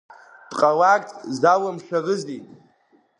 Дҟаларц залымшарызи?